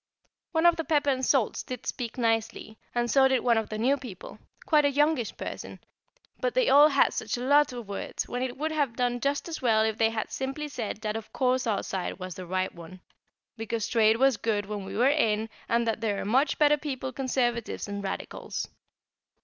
One of the pepper and salts did speak nicely, and so did one of the new people quite a youngish person; but they all had such a lot of words, when it would have done just as well if they had simply said that of course our side was the right one because trade was good when we were in, and that there are much better people Conservatives than Radicals.